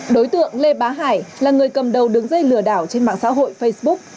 đối tượng lê bá hải là người cầm đầu đứng dây lừa đảo trên mạng xã hội facebook